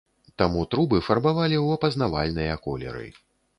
Таму трубы фарбавалі ў апазнавальныя колеры.